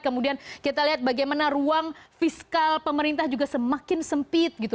kemudian kita lihat bagaimana ruang fiskal pemerintah juga semakin sempit gitu